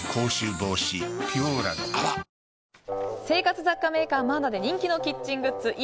生活雑貨メーカー、マーナで人気のキッチングッズ